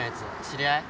知り合い？